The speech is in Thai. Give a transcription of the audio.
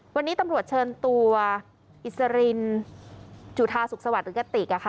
วันนี้ตำรวจเชิญตัวอิสรินจุธาสุขสวัสดิ์หรือกติก